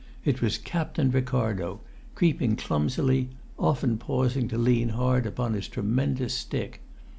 It was Captain Ricardo, creeping clumsily, often pausing to lean hard upon his tremendous stick.